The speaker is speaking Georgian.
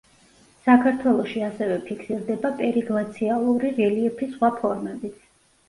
საქართველოში ასევე ფიქსირდება პერიგლაციალური რელიეფის სხვა ფორმებიც.